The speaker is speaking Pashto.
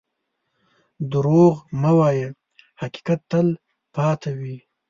دروغ مه وایه، حقیقت تل پاتې وي.